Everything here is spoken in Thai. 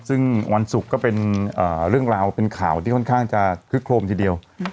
ซึ่งวันศุกร์ก็เป็นเรื่องราวเป็นข่าวที่ค่อนข้างจะคึกโครมทีเดียว